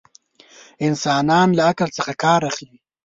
انسانان له عقل څخه ڪار اخلي.